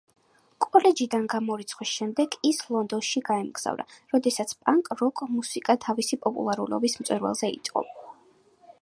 კოლეჯიდან გამორიცხვის შემდეგ ის ლონდონში გაემგზავრა, როდესაც პანკ-როკ მუსიკა თავისი პოპულარობის მწვერვალზე იყო.